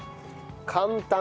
簡単！